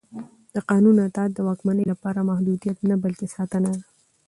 د قانون اطاعت د واکمنۍ لپاره محدودیت نه بلکې ساتنه ده